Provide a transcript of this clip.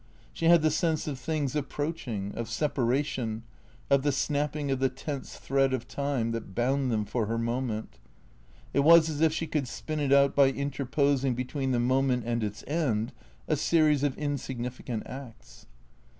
She had the sense of things approaching, of separation, of the snapping of the tense thread of time that bound them for her moment. It was as if she could spin it out by inter posing between the moment and its end a series of insignificant acts.